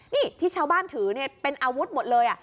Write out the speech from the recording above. นี่ที่ชาวบ้านถือเป็นอาวุธหมดเลย